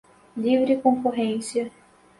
livre concorrência